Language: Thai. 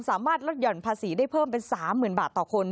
สามารถลดหย่อนภาษีได้เพิ่มเป็น๓๐๐๐บาทต่อคน